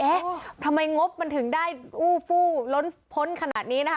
ทำไมงบมันถึงได้อู้ฟู้ล้นพ้นขนาดนี้นะคะ